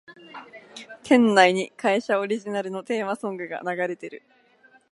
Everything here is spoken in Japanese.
店内に会社オリジナルのテーマソングが流れてる